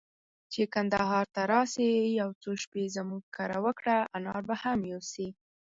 چي کندهار ته راسې، يو څو شپې زموږ کره وکړه، انار به هم يوسې.